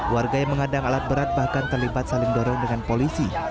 warga yang mengadang alat berat bahkan terlibat saling dorong dengan polisi